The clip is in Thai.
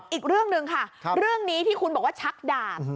อีกเรื่องหนึ่งค่ะเรื่องนี้ที่คุณบอกว่าชักดาบ